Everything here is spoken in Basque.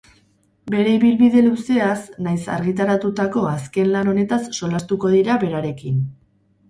Bere ibilbide luzeaz nahiz argitaratutako azken lan honetaz solastatuko dira berarekin.